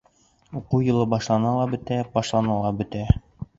Уҡыу йылы башлана ла бөтә, башлана ла бөтә.